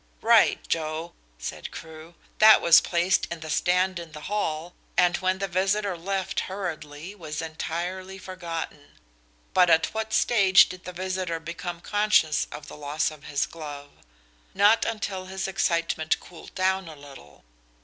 "Right, Joe," said Crewe. "That was placed in the stand in the hall, and when the visitor left hurriedly was entirely forgotten. But at what stage did the visitor become conscious of the loss of his glove? Not until his excitement cooled down a little.